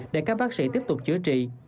để các bác sĩ tiếp tục chữa trị